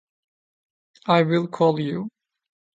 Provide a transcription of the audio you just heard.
I will call you.